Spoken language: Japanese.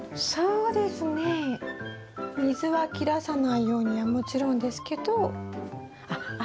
そうですね水は切らさないようにはもちろんですけどあっ